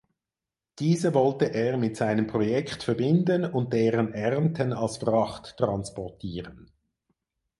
Diese wollte er mit seinem Projekt verbinden und deren Ernten als Fracht transportieren.